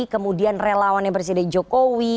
kemudian relawannya presiden jokowi